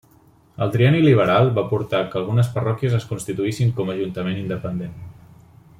El trienni liberal va portar que algunes parròquies es constituïssin com ajuntament independent.